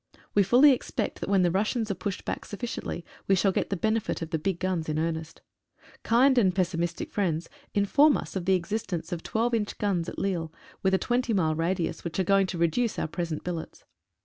We fully expect that when the Russians are pushed back sufficiently we shall get the benefit of the big guns in earnest. Kind and pessimistic friends inform us of the existence of 12 inch guns at Lille, with a 20 mile radius, which are going to reduce our present billets.